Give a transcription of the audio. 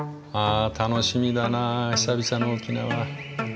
あ楽しみだな久々の沖縄。